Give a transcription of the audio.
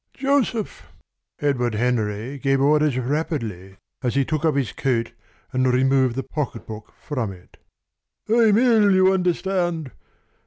"Joseph," Edward Henry gave orders rapidly as he took off his coat and removed the pocketbook from it. "I'm ill, you understand.